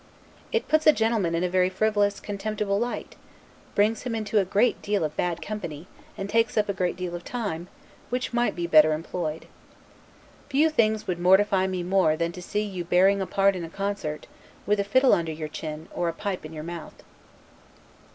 It puts a gentleman in a very frivolous, contemptible light; brings him into a great deal of bad company; and takes up a great deal of time, which might be much better employed. Few things would mortify me more, than to see you bearing a part in a concert, with a fiddle under your chin, or a pipe in your mouth.